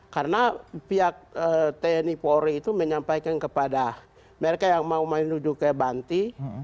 karena pihak tni polri itu menyampaikan kepada mereka yang mau menuju ke banti